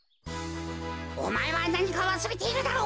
おまえはなにかわすれているだろう！？